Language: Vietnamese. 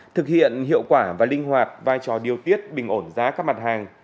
thực hiện hiệu quả và linh hoạt vai trò điều tiết bình ổn giá các mặt hàng